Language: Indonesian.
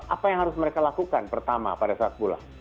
apa yang harus mereka lakukan pertama pada saat pulang